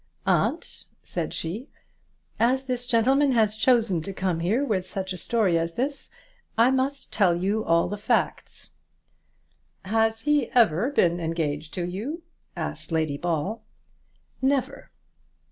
"Aunt," said she, "as this gentleman has chosen to come here with such a story as this, I must tell you all the facts." "Has he ever been engaged to you?" asked Lady Ball. "Never."